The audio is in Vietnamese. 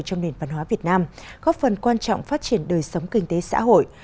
trong nền văn hóa việt nam góp phần quan trọng phát triển đời sống kinh tế xã hội